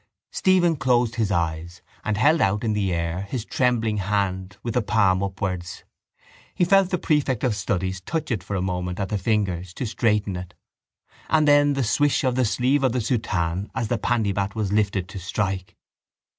Stephen closed his eyes and held out in the air his trembling hand with the palm upwards. He felt the prefect of studies touch it for a moment at the fingers to straighten it and then the swish of the sleeve of the soutane as the pandybat was lifted to strike.